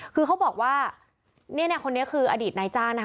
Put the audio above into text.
คือเขาบอกว่าเนี่ยคนนี้คืออดีตนายจ้างนะคะ